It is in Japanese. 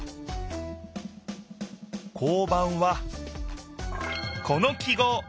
交番はこの記号。